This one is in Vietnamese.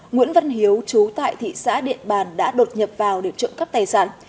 nguyễn văn hiếu chú tại thị xã điện bàn đã đột nhập vào để trộm cắp tài sản